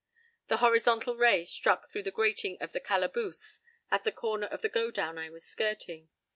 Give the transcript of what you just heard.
The horizontal ray struck through the grating of the "calaboose" at the corner of the godown I was skirting.